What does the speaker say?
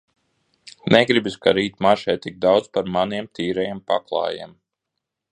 Negribas, ka rīt maršē tik daudz pa maniem tīrajiem paklājiem.